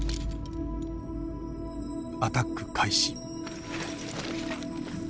アタック開始。